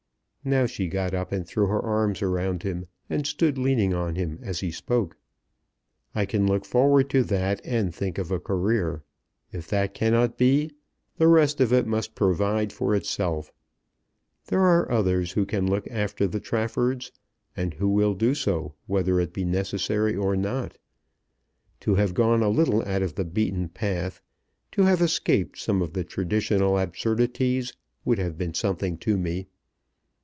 Now she got up, and threw her arms around him, and stood leaning on him as he spoke. "I can look forward to that and think of a career. If that cannot be, the rest of it must provide for itself. There are others who can look after the Traffords, and who will do so whether it be necessary or not. To have gone a little out of the beaten path, to have escaped some of the traditional absurdities, would have been something to me.